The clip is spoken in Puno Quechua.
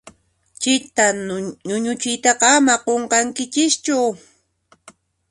Chita ñuñuchiytaqa ama qunqankichischu.